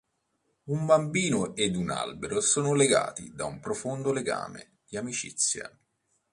Un bambino ed un albero sono legati da un profondo legame di amicizia.